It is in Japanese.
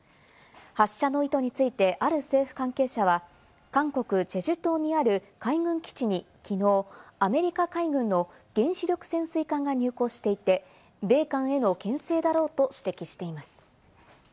発射の意図について、ある政府関係者は韓国・チェジュ島にある海軍基地にきのうアメリカ海軍の原子力潜水艦が入港していて、米韓へのけん制だろうと指摘しています。